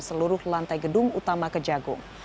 seluruh lantai gedung utama kejagung